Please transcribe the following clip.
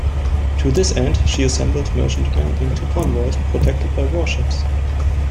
To this end she assembled merchantmen into convoys protected by warships.